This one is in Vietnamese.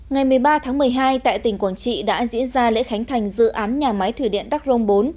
ngày một mươi ba tháng một mươi hai tại tỉnh quảng trị đã diễn ra lễ khánh thành dự án nhà máy thủy điện đắc rông bốn